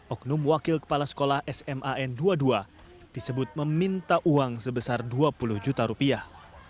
oknum wakil kepala sekolah sman dua puluh dua disebut meminta uang sebesar dua puluh juta rupiah